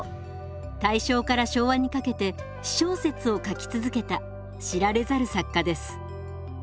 大正から昭和にかけて私小説を書き続けた知られざる作家です。